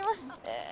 え